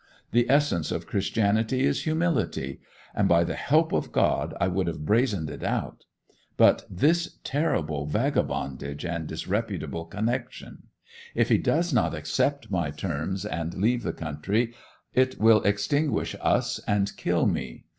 The essence of Christianity is humility, and by the help of God I would have brazened it out. But this terrible vagabondage and disreputable connection! If he does not accept my terms and leave the country, it will extinguish us and kill me.